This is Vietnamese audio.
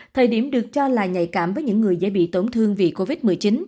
thời điểm được cho là nhạy cảm với những người dễ bị tổn thương vì covid một mươi chín